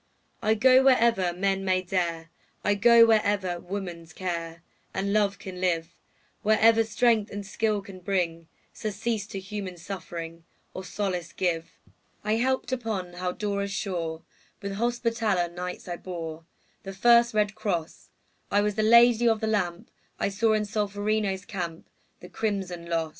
I go wherever men may dare, I go wherever woman's care And love can live, Wherever strength and skill can bring Surcease to human suffering, Or solace give. I helped upon Haldora's shore; With Hospitaller Knights I bore The first red cross; I was the Lady of the Lamp; I saw in Solferino's camp The crimson loss.